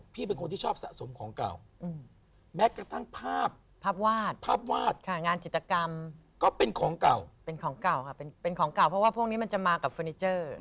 เพราะว่าพวกนี้มันจะมากับฟอร์นิเจอร์